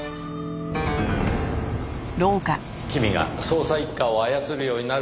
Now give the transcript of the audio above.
君が捜査一課を操るようになるとは。